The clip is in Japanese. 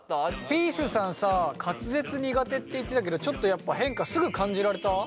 ピースさんさ滑舌苦手って言ってたけどちょっと変化すぐ感じられた？